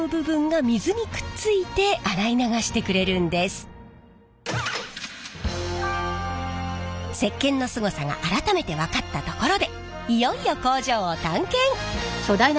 そして石けんのすごさが改めて分かったところでいよいよ工場を探検！